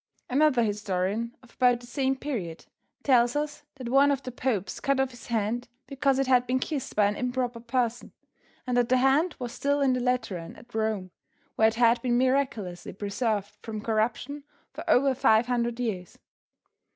Another historian of about the same period, tells us that one of the popes cut off his hand because it had been kissed by an improper person, and that the hand was still in the Lateran at Rome, where it had been miraculously preserved from corruption for over five hundred years.